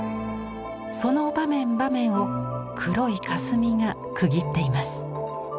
その場面場面を黒い霞が区切っています。